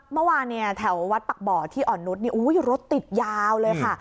เมื่อวานเนี่ยแถววัดปักบ่อที่อ่อนนุษย์รถติดยาวเลยค่ะ